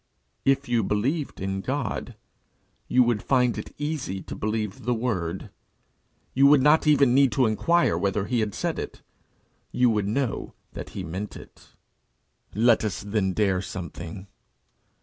If you believed in God you would find it easy to believe the word. You would not even need to inquire whether he had said it: you would know that he meant it. Let us then dare something.